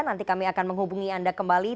nanti kami akan menghubungi anda kembali